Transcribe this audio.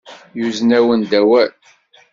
Yuzen-awen-d awal.